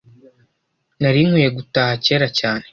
Nari nkwiye gutaha kera cyane. .